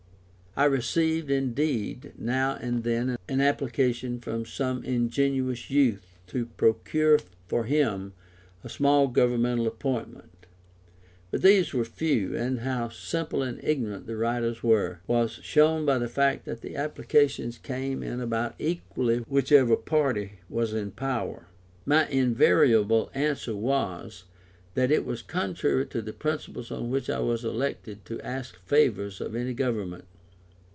I received, indeed, now and then an application from some ingenuous youth to procure for him a small government appointment; but these were few, and how simple and ignorant the writers were, was shown by the fact that the applications came in about equally whichever party was in power. My invariable answer was, that it was contrary to the principles on which I was elected to ask favours of any Government.